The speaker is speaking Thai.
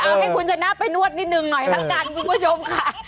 เอาให้คุณชนะไปนวดนิดนึงหน่อยละกันคุณผู้ชมค่ะ